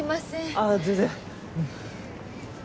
ああ全然。